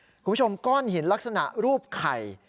คุณผู้ชมก้อนหินลักษณะรูปไข่